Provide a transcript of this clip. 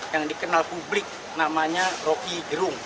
yang dikenal publik namanya rocky gerung